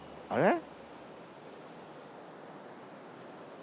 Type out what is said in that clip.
あれ？